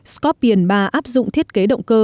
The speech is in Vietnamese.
scorpion ba áp dụng thiết kế động cơ